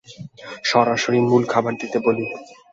সরাসরি মূল খাবার দিতে বলি।